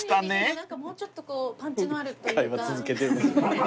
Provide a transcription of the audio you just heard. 何かもうちょっとこうパンチのあるというか。